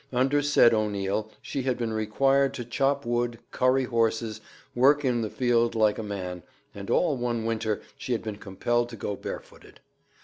Under said O'Neil she had been required to chop wood, curry horses, work in the field like a man, and all one winter she had been compelled to go barefooted.